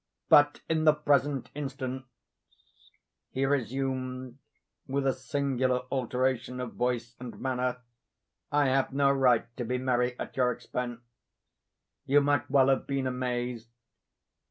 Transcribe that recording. But in the present instance," he resumed, with a singular alteration of voice and manner, "I have no right to be merry at your expense. You might well have been amazed.